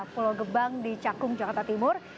pulau gebang di cakung jakarta timur